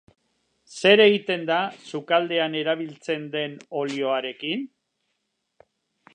Zer egiten da sukaldean erabiltzen den olioarekin?